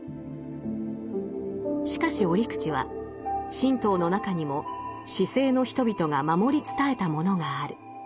しかし折口は神道の中にも市井の人々が守り伝えたものがある。